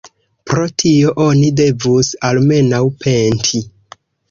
Pro tio oni devus almenaŭ penti.